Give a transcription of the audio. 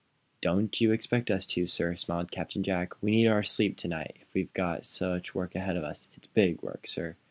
"Don't you expect us to, sir," smiled Captain Jack. "We need our sleep to night, if we've got such work ahead of us. It's big, work, sir."